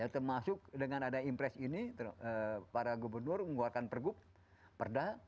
termasuk dengan ada impres ini para gubernur mengeluarkan pergub perda